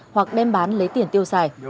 hoặc đem bán lấy tiền tiêu xài